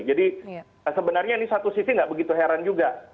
jadi sebenarnya ini satu sisi tidak begitu heran juga